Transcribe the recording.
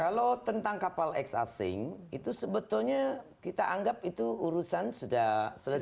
kalau tentang kapal ex asing itu sebetulnya kita anggap itu urusan sudah selesai